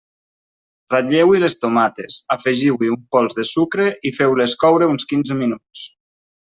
Ratlleu-hi les tomates, afegiu-hi un pols de sucre i feu-les coure uns quinze minuts.